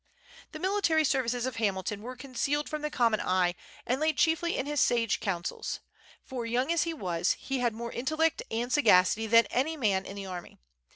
The military services of Hamilton were concealed from the common eye, and lay chiefly in his sage counsels; for, young as he was, he had more intellect and sagacity than any man in the army.